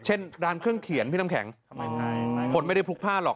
เช่นร้านเครื่องเขียนพี่น้ำแข็งคนไม่ได้พลุกพลาดหรอก